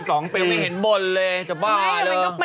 ไม่เห็นบนเลยจะบ้าอะไร